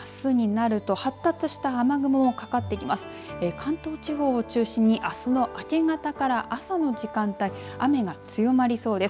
関東地方を中心にあすの明け方から朝の時間帯雨が強まりそうです。